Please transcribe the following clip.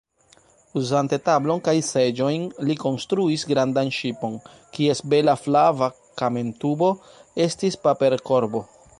Uzante tablon kaj seĝojn, li konstruis grandan ŝipon, kies bela flava kamentubo estis paperkorbo.